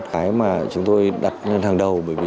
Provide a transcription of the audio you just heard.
cái mà chúng tôi đặt hàng đầu bởi vì